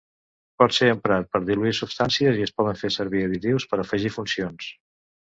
Pot ser emprat per diluir substàncies i es poden fer servir additius per afegir funcions.